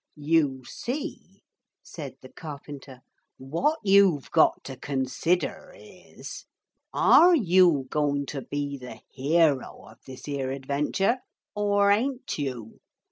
'You see,' said the carpenter, 'what you've got to consider is: are you going to be the hero of this 'ere adventure or ain't you?